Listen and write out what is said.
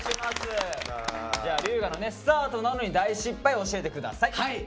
じゃあ龍我のねスタートなのに大失敗教えて下さい。